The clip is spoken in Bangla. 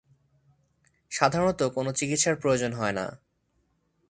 সাধারণত কোনো চিকিৎসার প্রয়োজন হয় না।